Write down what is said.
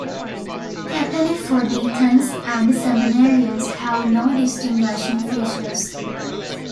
Cappelli for deacons and seminarians have no distinguishing features.